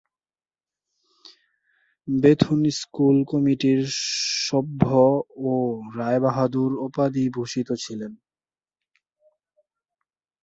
Bethune school কমিটির সভ্য ও 'রায়বাহাদুর' উপাধি ভূষিত ছিলেন।